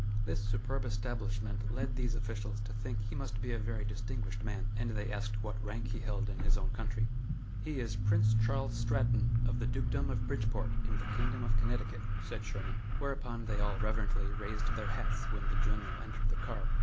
This superb establishment led these officials to think he must be a very distinguished man, and they asked what rank he held in his own country. "He is Prince Charles Stratton, of the Dukedom of Bridgeport, in the Kingdom of Connecticut," said Sherman. Whereupon they all reverently raised their hats when the General entered the car.